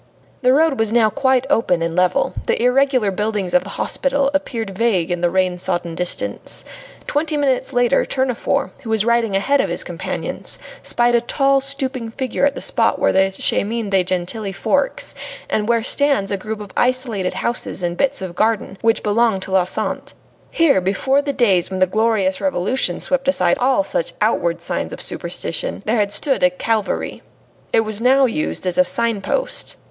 The road was now quite open and level; the irregular buildings of the hospital appeared vague in the rain sodden distance. Twenty minutes later Tournefort, who was riding ahead of his companions, spied a tall, stooping figure at the spot where the Chemin de Gentilly forks, and where stands a group of isolated houses and bits of garden, which belong to la Sante. Here, before the days when the glorious Revolution swept aside all such outward signs of superstition, there had stood a Calvary. It was now used as a signpost.